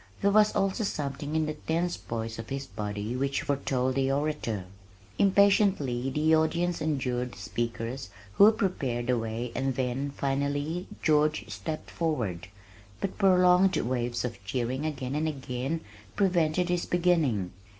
There was also something in the tense poise of his body which foretold the orator. Impatiently the audience endured the speakers who prepared the way and then, finally, George stepped forward, but prolonged waves of cheering again and again prevented his beginning.